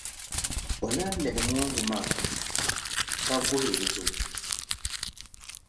O lahi lihi noongu maa ka guhiri o zo.